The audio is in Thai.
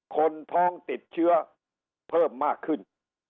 คนท้องติดเชื้อเพิ่มมากขึ้น